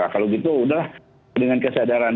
kalau gitu udah lah dengan kesadaran